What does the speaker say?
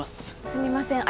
すみません